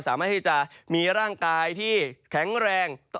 สามารถมีร่างกายแข็งแรง